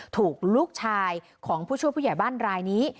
ถูกลูกชายของผู้ช่วยผู้ใหญ่บ้านรายนี้